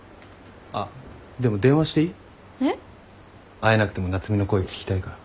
会えなくても夏海の声聞きたいから。